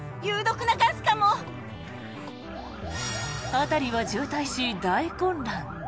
辺りは渋滞し、大混乱。